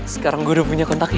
sekarang gue udah punya kontaknya